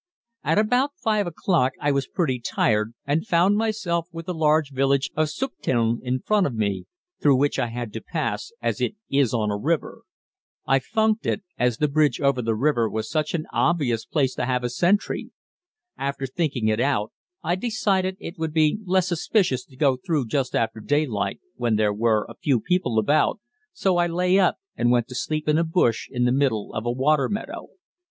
At about 5 o'clock I was pretty tired and found myself with the large village of Süchteln in front of me, through which I had to pass, as it is on a river. I funked it, as the bridge over the river was such an obvious place to have a sentry. After thinking it out, I decided it would be less suspicious to go through just after daylight when there were a few people about, so I lay up and went to sleep in a bush in the middle of a water meadow.